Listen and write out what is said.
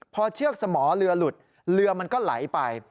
พอเชือกสมอเรือหลุดเรือมันก็ไหลไป